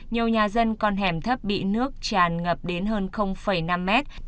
nhiều nhà dân con hẻm thấp bị nước tràn ngập đến hơn năm mét